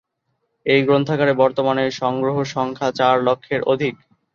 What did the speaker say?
এই গ্রন্থাগারের বর্তমান সংগ্রহ সংখ্যা চার লক্ষের অধিক।